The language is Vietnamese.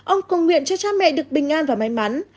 ông cầu nguyện cho cha mẹ được bình an và may mắn